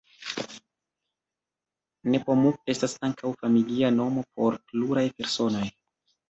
Nepomuk estas ankaŭ familia nomo por pluraj personoj.